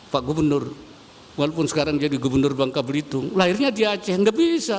pak gubernur walaupun sekarang jadi gubernur bangka belitung lahirnya di aceh nggak bisa